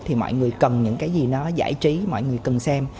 thì mọi người cần những cái gì nó giải trí mọi người cần xem